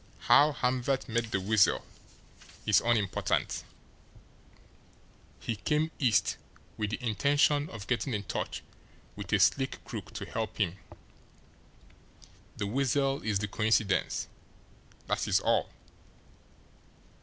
How Hamvert met the Weasel is unimportant he came East with the intention of getting in touch with a slick crook to help him the Weasel is the coincidence, that is all.